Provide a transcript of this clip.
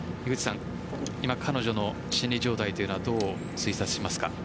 今、彼女の心理状態というのはどう推察しますか？